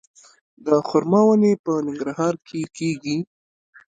د خرما ونې په ننګرهار کې کیږي؟